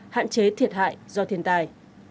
hạn chế thiệt hại do thiên tai